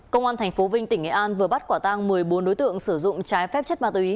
công an tp vinh tỉnh nghệ an vừa bắt quả tang một mươi bốn đối tượng sử dụng trái phép chất ma túy